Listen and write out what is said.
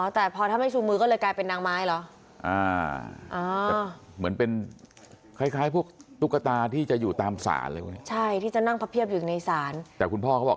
ก็ไปกันใหญ่นี่นี่ลูกปั้น